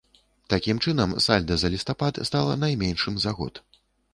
Такім чынам, сальда за лістапад стала найменшым за год.